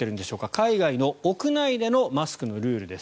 海外の屋内でのマスクのルールです。